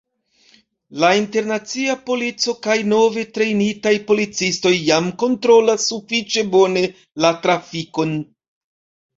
La internacia polico kaj nove trejnitaj policistoj jam kontrolas sufiĉe bone la trafikon.